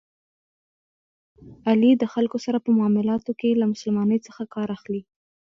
علي د خلکو سره په معاملاتو کې له مسلمانی څخه کار اخلي.